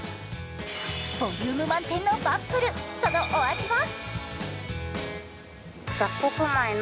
ボリューム満点のバップル、そのお味は？